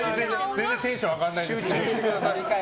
全然テンション上がらないんですけど。